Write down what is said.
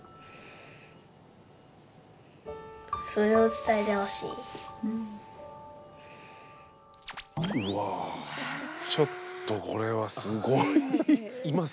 うわぁちょっとこれはすごい。